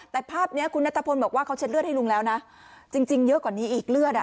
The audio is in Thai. แต่ภาพนี้คุณนัทพลบอกว่าเขาเช็ดเลือดให้ลุงแล้วนะจริงจริงเยอะกว่านี้อีกเลือดอ่ะ